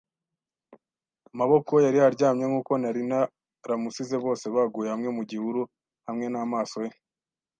Amaboko yari aryamye nkuko nari naramusize, bose baguye hamwe mu gihuru hamwe n'amaso ye